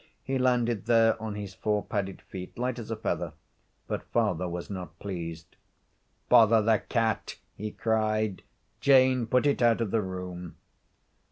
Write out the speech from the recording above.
He landed there on his four padded feet, light as a feather, but father was not pleased. 'Bother the cat!' he cried. 'Jane, put it out of the room.'